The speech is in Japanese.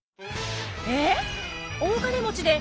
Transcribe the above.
えっ！